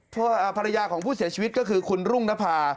ภรรยาของผู้เสียชีวิตก็คือคุณรุ่งนภา